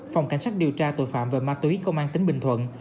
phòng cảnh sát điều tra tội phạm về ma túy công an tỉnh bình thuận